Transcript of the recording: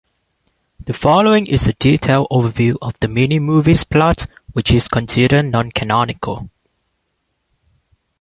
The following is a detailed overview of the mini-movie's plot, which is considered non-canonical.